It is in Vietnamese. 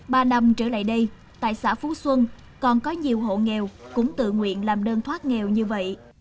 ba năm trở lại đây tại xã phú xuân còn có nhiều hộ nghèo cũng tự nguyện làm đơn thoát nghèo như vậy